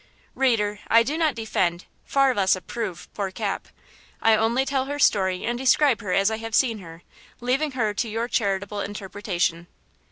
Reader, I do not defend, far less approve, poor Cap. I only tell her story and describe her as I have seen her, leaving her to your charitable interpretation.